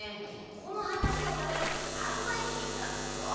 この畑をたがやすアルバイトに来たんっすけど。